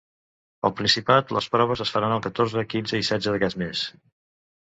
Al Principat les proves es faran el catorze, quinze i setze d’aquest mes.